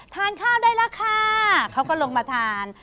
ทานข้าวได้แล้วค่ะเขาก็ลงมาทาน